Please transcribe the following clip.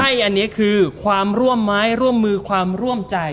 ใช่อันนี้คือความร่วมไม้ร่วมมือความร่วมใจ